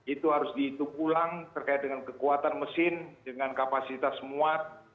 itu harus dihitung ulang terkait dengan kekuatan mesin dengan kapasitas muat